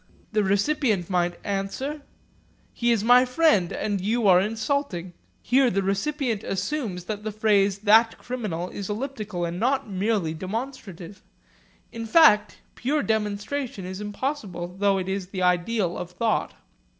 The recipient might answer, 'He is my friend and you are insulting.' Here the recipient assumes that the phrase 'That criminal' is elliptical and not merely demonstrative. In fact, pure demonstration is impossible though it is the ideal of thought.